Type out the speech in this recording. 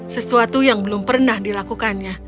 sesuatu yang belum pernah dilakukannya